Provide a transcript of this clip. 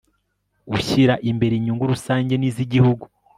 ushyira imbere inyungu rusange n'iz'igihugu